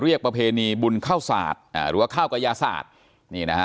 ประเพณีบุญข้าวศาสตร์อ่าหรือว่าข้าวกระยาศาสตร์นี่นะฮะ